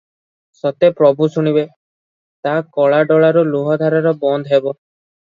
ସତେ ପ୍ରଭୁ ଶୁଣିବେ- ତା କଳା ଡୋଳାରୁ ଲୁହଧାର ବନ୍ଦ ହେବ?